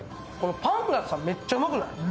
パンがさ、めっちゃうまくない？